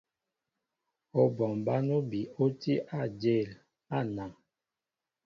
Óbɔŋ bǎn óbi ó tí á ajěl á anaŋ.